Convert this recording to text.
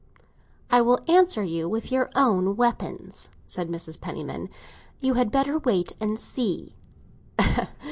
"I will answer you with your own weapons," said Mrs. Penniman. "You had better wait and see!"